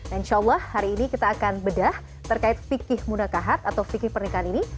insya allah hari ini kita akan bedah terkait fikih munakahat atau fikih pernikahan ini